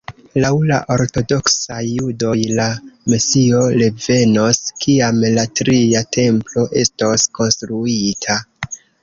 Laŭ la ortodoksaj judoj, la mesio revenos, kiam la tria Templo estos konstruita.